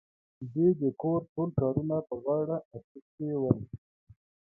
دې د کور ټول کارونه په غاړه اخيستي ول.